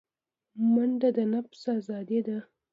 منډه د نفس آزادي ده